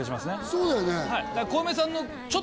そうだよね。